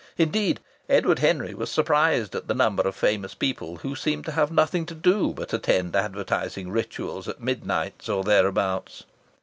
Indeed, Edward Henry was surprised at the number of famous people who seemed to have nothing to do but attend advertising rituals at midnight or thereabouts.